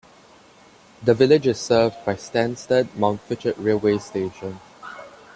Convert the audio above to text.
The village is served by Stansted Mountfitchet railway station.